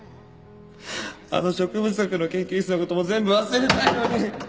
あの植物学の研究室の事も全部忘れたいのに！